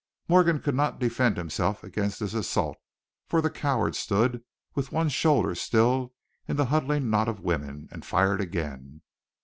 Morgan could not defend himself against this assault, for the coward stood with one shoulder still in the huddling knot of women, and fired again.